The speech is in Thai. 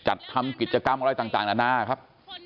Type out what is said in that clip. จัดทำกิจกรรมอะไรต่างนานาครับ